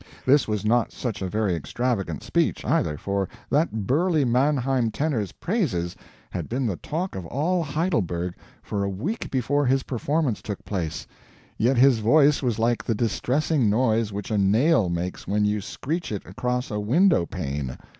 This was not such a very extravagant speech, either, for that burly Mannheim tenor's praises had been the talk of all Heidelberg for a week before his performance took place yet his voice was like the distressing noise which a nail makes when you screech it across a window pane.